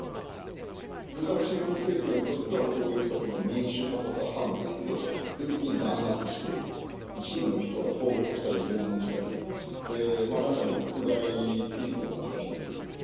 ルカシェンコ政権としてはそういった民主派とか反体制派を徹底的に弾圧して、一部の人は投獄したり拷問したり、中には国外追放になった人もいる。